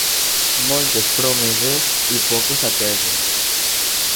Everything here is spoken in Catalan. Moltes promeses i poques ateses.